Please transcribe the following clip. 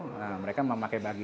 nah mereka memakai bagi